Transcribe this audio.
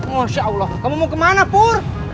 masya allah kamu mau ke mana pur